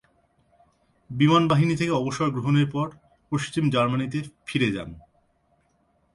বিমান বাহিনী থেকে অবসর গ্রহণের পর পশ্চিম জার্মানিতে ফিরে যান।